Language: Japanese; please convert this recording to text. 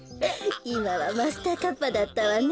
いまはマスターカッパーだったわね。